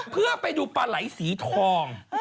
เพื่อไปดูปลาไหล่สีทอง